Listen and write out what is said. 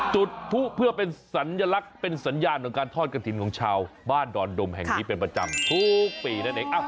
จุดผู้เพื่อเป็นสัญลักษณ์เป็นสัญญาณของการทอดกระถิ่นของชาวบ้านดอนดมแห่งนี้เป็นประจำทุกปีนั่นเอง